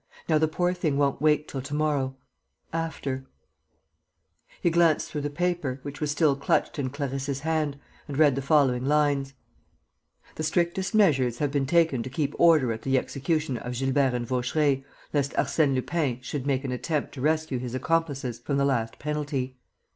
"Now the poor thing won't wake till to morrow ... after." He glanced through the paper, which was still clutched in Clarisse' hand, and read the following lines: "The strictest measures have been taken to keep order at the execution of Gilbert and Vaucheray, lest Arsène Lupin should make an attempt to rescue his accomplices from the last penalty.